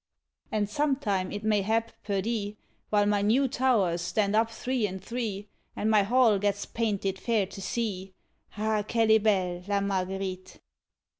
_ And sometime it may hap, perdie, While my new towers stand up three and three, And my hall gets painted fair to see, _Ah! qu'elle est belle La Marguerite.